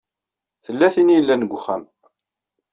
Tella tin i yellan deg uxxam.